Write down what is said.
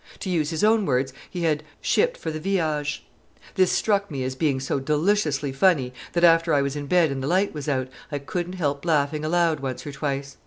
To use his own words, he had "shipped for the viage." This struck me as being so deliciously funny, that after I was in bed and the light was out, I couldn't help laughing aloud once or twice.